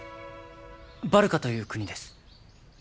バルカという国です